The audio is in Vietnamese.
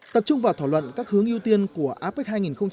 tập trung vào thỏa luận các hướng ưu tiên của apec hai nghìn một mươi bảy